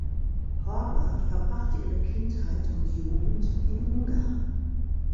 Horvath verbrachte ihre Kindheit und Jugend in Ungarn.